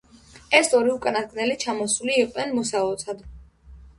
ეს ორი უკანასკნელი ჩამოსული იყვნენ მოსალოცად.